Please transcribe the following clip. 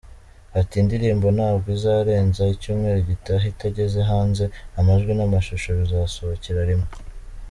Ati Indirimbo ntabwo izarenza icyumweru gitaha itageze hanze, amajwi n’amashusho bizasohokera rimwe.